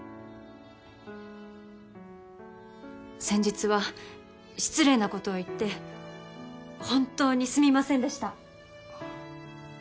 先日は失礼なことを言って本当にすみませんでした。